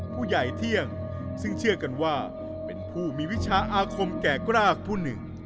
ผู้ใหญ่เที่ยงซึ่งเชื่อกันว่าเป็นผู้มีวิชาอาคมแก่กรากผู้หนึ่ง